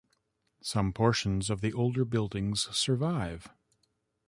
Some portions of the older buildings survive.